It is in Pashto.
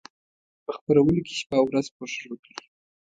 په خپرولو کې شپه او ورځ کوښښ وکړي.